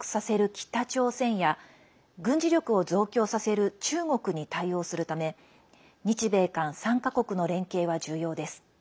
北朝鮮や軍事力を増強させる中国に対応するため日米韓３か国の連携は重要です。